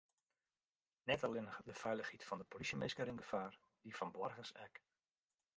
Net allinnich de feilichheid fan de polysjeminsken rint gefaar, dy fan boargers ek.